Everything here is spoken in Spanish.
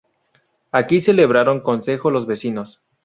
Aquí celebraban concejo los vecinos.